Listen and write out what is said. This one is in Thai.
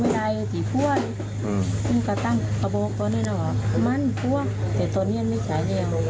เดี๋ยวต่อนนี้มันไม่ใช่